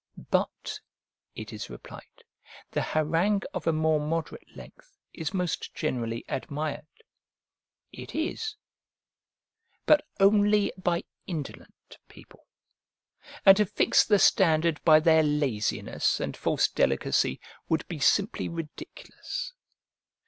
But (it is replied) the harangue of a more moderate length is most generally admired. It is: but only by indolent people; and to fix the standard by their laziness and false delicacy would be simply ridiculous.